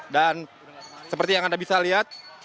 dan seperti yang anda bisa lihat